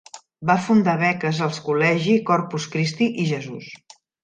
Va fundar beques als Col·legi Corpus Christi i Jesus.